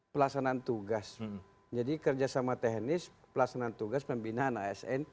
pelaksanaan tugas jadi kerjasama teknis pelaksanaan tugas pembinaan asn